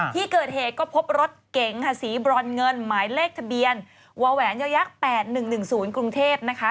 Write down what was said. ที่เกิดเหตุก็พบรถเก๋งค่ะสีบรอนเงินหมายเลขทะเบียนวแหวนยักษ์๘๑๑๐กรุงเทพนะคะ